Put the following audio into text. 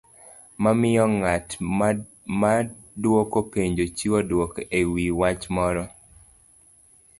mamiyo ng'at maduoko penjo chiwo dwoko e wi wach moro.